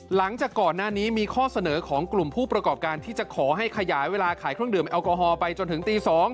หลังจากก่อนหน้านี้มีข้อเสนอของกลุ่มผู้ประกอบการที่จะขอให้ขยายเวลาขายเครื่องดื่มแอลกอฮอลไปจนถึงตี๒